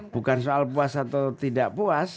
bukan soal puas atau tidak puas